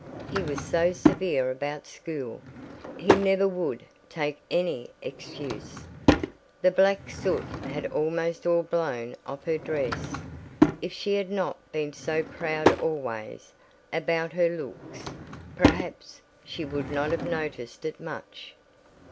He was so severe about school, he never would take any excuse. The black soot had almost all blown off her dress. If she had not been so proud always, about her looks, perhaps she would not have noticed it much.